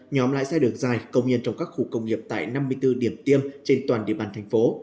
nhóm lái xe đường dài công nhân trong các khu công nghiệp tại năm mươi bốn điểm tiêm trên toàn địa bàn thành phố